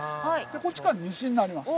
でこっち側西になります。